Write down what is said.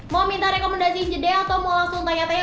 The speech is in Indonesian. mau minta rekomendasiin jeda atau mau langsung tanya tanya